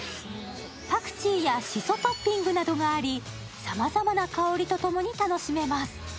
パクチーや、しそトッピングなどがあり、さまざまな香りと共に楽しめます。